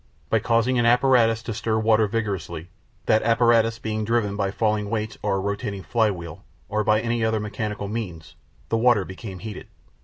By causing an apparatus to stir water vigorously, that apparatus being driven by falling weights or a rotating flywheel or by any other mechanical means, the water became heated.